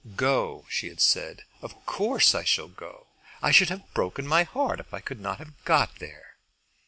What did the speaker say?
"Go," she had said; "of course I shall go. I should have broken my heart if I could not have got there."